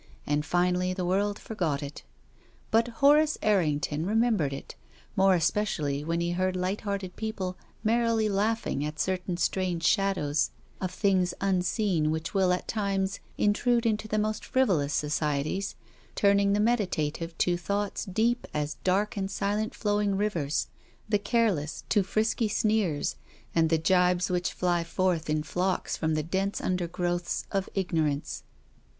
And finally, the world forgot it. But Horace Errington re membered it, more especially when he heard light hearted people merrily laughing at certain strange shadows of things unseen which will, at times, in trude into the most frivolous societies, turning the meditative to thoughts deep as dark and silent flowing rivers, the careless to frisky sneers and the gibes which fly forth in flocks from the dense un dergrowths of ignorance.